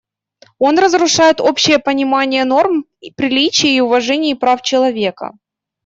Она разрушает общее понимание норм приличий и уважение прав человека.